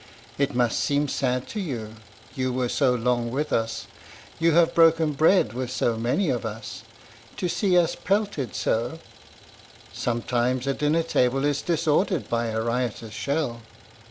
It must seem sad to you you were so long with us you have broken bread with so many of us to see us pelted so. Sometimes a dinner table is disordered by a riotous shell."